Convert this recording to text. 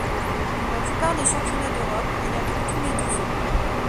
Comme la plupart des championnats d'Europe, il a lieu tous les deux ans.